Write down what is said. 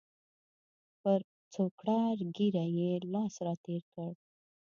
پر څوکړه ږیره یې لاس را تېر کړ.